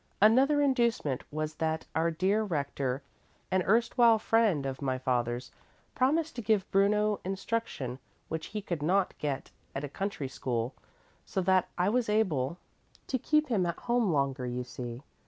Another inducement was that our dear Rector, an erstwhile friend of my father's, promised to give Bruno instruction which he could not get at a country school, so that I was able to keep him at home longer, you see.